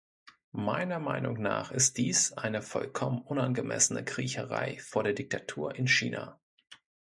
Meiner Meinung nach ist dies eine vollkommen unangemessene Kriecherei vor der Diktatur in China.